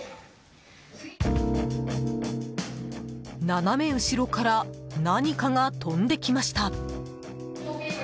斜め後ろから何かが飛んできました。